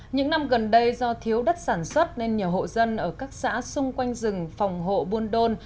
những năm gần đây do thiếu đất sản xuất nên nhiều hộ dân ở các xã xung quanh rừng phòng hộ buôn đôn